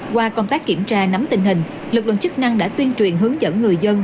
qua công tác kiểm tra nắm tình hình lực lượng chức năng đã tuyên truyền hướng dẫn người dân